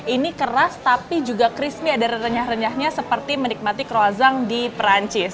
ini keras tapi juga krispi dan renyah renyahnya seperti menikmati croissant di perancis